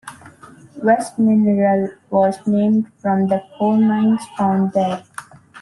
West Mineral was named from the coal mines found there.